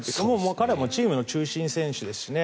彼はもうチームの中心選手ですしね。